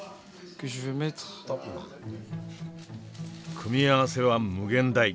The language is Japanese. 組み合わせは無限大。